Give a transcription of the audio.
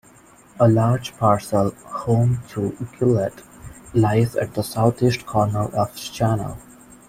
A large parcel, home to Gillette, lies at the southeast corner of the channel.